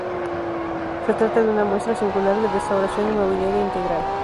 Se trata de una muestra singular de restauración inmobiliaria integral.